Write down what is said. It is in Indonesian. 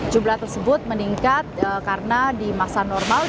jumlah tersebut meningkat karena di masa normal